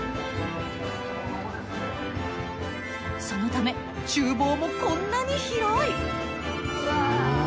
そのため厨房もこんなに広い。